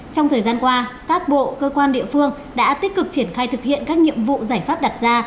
trong thời gian qua các bộ cơ quan địa phương đã tích cực triển khai thực hiện các nhiệm vụ giải pháp đặt ra